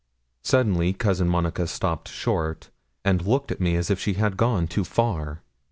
Suddenly Cousin Monica stopped short, and looked at me as if she had gone too far.